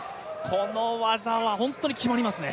この技は本当に決まりますね。